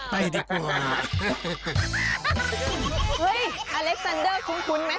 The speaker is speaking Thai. เสียงคุ้นอยู่เหมือนกัน